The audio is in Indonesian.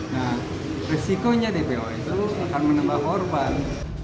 nah resikonya kepewa itu akan menambah korban